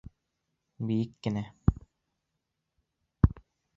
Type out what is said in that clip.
Бейек кенә.